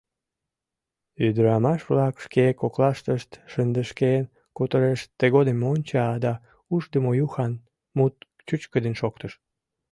Ӱдырамаш-влак шке коклаштышт шыдешкен кутырышт, тыгодым «монча» да «Ушдымо-Юхан» мут чӱчкыдын шоктыш.